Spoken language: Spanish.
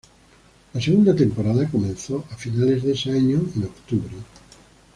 La segunda temporada comenzó a finales de ese año en octubre.